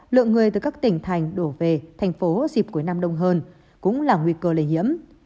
lượng người từ các tỉnh thành đổ về thành phố dịp cuối năm đông hơn cũng là nguy cơ lây nhiễm